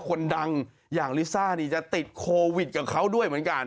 คนดังอย่างลิซ่านี่จะติดโควิดกับเขาด้วยเหมือนกัน